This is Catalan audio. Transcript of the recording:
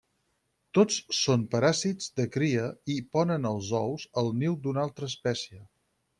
Tots són paràsits de cria i ponen els ous al niu d'una altra espècie.